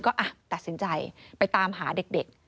ก็ตัดสินใจไปตามหาเด็ก